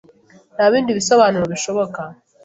Nta bindi bisobanuro bishoboka.